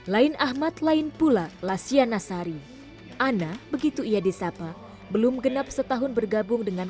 lain ahmad lain pula lasya nasari ana begitu ia disapa belum genap setahun bergabung dengan